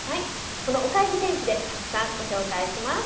このおかえり天気でたくさんご紹介します。